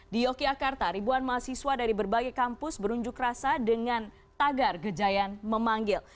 di yogyakarta ribuan mahasiswa dari berbagai kampus berunjuk rasa dengan tagar gejayan memanggil